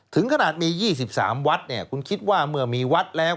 ถึงขนาดมี๒๓วัดเนี่ยคุณคิดว่าเมื่อมีวัดแล้ว